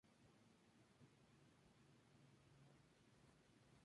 Está en tonalidad menor, lo cual de proporciona un ambiente sombrío.